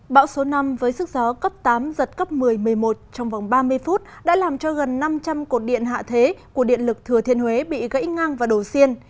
bão số năm với sức gió cấp tám giật cấp một mươi một mươi một trong vòng ba mươi phút đã làm cho gần năm trăm linh cột điện hạ thế của điện lực thừa thiên huế bị gãy ngang và đổ xiên